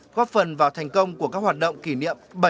góp phần vào thành công của các hoạt động kỷ niệm